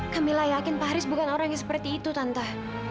kamila yakin pak haris bukan orang yang seperti itu tante